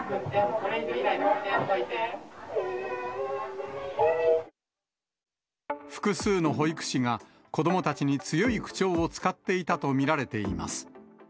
これ以上いらいらさせ複数の保育士が、子どもたちに強い口調を使っていたと見られています。